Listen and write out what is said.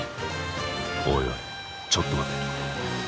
おいおいちょっと待て。